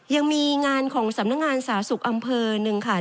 ยังมีงานของสำนักงานสาธารณสุขอำเภอหนึ่งค่ะ